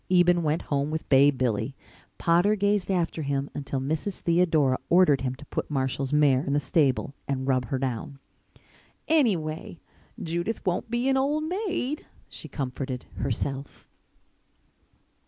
Eben went home with Bay Billy. Potter gazed after him until Mrs. Theodora ordered him to put Marshall's mare in the stable and rub her down. "Anyway, Judith won't be an old maid," she comforted herself.